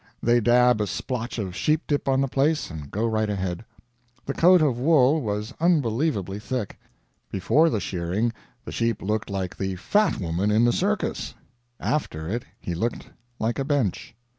They dab a splotch of sheep dip on the place and go right ahead. The coat of wool was unbelievably thick. Before the shearing the sheep looked like the fat woman in the circus; after it he looked like a bench.